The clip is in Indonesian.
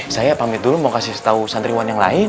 saya pamit dulu mau kasih tahu santriwan yang lain